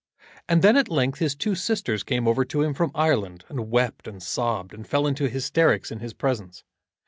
And then at length his two sisters came over to him from Ireland, and wept and sobbed, and fell into hysterics in his presence.